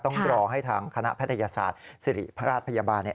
ต้องรอให้ทางคณะแพทยศาสตร์สิริพระราชพยาบาล